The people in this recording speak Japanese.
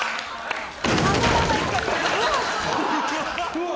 うわ。